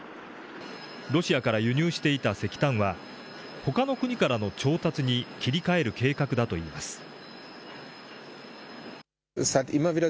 ロシアから輸入していた石炭はほかの国からの調達に切り替える計画だといいます。